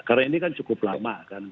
karena ini kan cukup lama kan